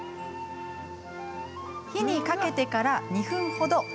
火にかけてから２分ほど。